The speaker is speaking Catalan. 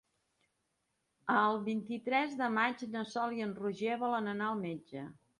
El vint-i-tres de maig na Sol i en Roger volen anar al metge.